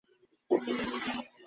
স্পষ্ট স্বরেই তিনি কথা বললেন।